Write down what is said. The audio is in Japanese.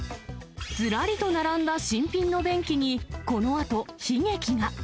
ずらりと並んだ新品の便器に、このあと、悲劇が。